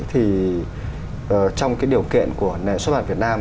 thì trong cái điều kiện của nền xuất bản việt nam